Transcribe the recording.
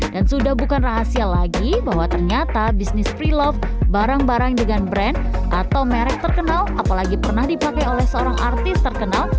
dan sudah bukan rahasia lagi bahwa ternyata bisnis prelove barang barang dengan brand atau merek terkenal apalagi pernah dipakai oleh seorang artis terkenal